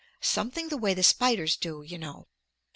Something the way the spiders do, you know.